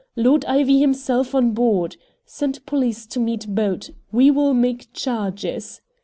Lord Ivy himself on board. Send police to meet boat. We will make charges.